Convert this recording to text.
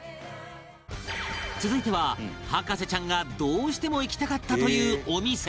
続いては博士ちゃんがどうしても行きたかったというお店へ